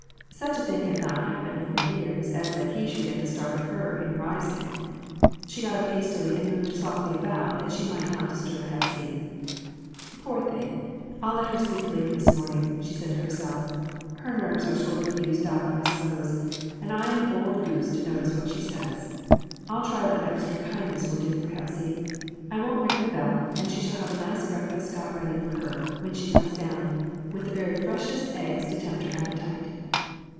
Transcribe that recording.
Such a thing had not happened for years as that he should get the start of her in rising. She got up hastily and moved softly about, that she might not disturb Hepsy. "Poor thing! I'll let her sleep late this morn ing," she said to herself; "her nerves are sort of used up, I s'pose, and I'm an old goose to notice what she says. I'll try what extra kindness will do for Hepsy. I won't ring the bell, and she shall have a nice breakfast got ready for her when she IO2 IMPROMPTU VISITS. comes down, with the very freshest eggs to tempt her appetite."